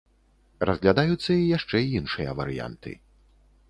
Разглядаюцца і яшчэ іншыя варыянты.